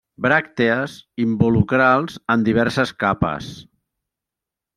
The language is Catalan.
Bràctees involucrals en diverses capes.